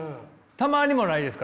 たまにもないですか？